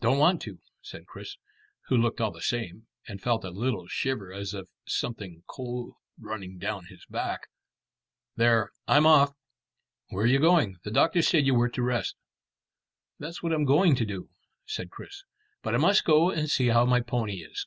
"Don't want to," said Chris, who looked all the same, and felt a little shiver as of something cold running down his back. "There, I'm off." "Where are you going? The doctor said you were to rest." "That's what I'm going to do," said Chris, "but I must go and see how my pony is."